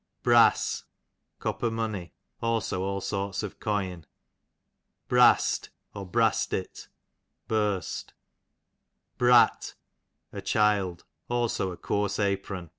Brass, copper money, also all sorts of coin. Brast, Brastit, Brat, a child ; cdso a coarse apron.